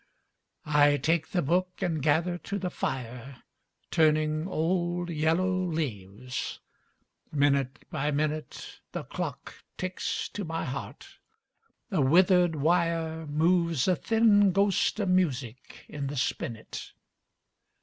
I take the book and gather to the fire, Turning old yellow leaves; minute by minute The clock ticks to my heart. A withered wire, Moves a thiun ghost of music in the spinet.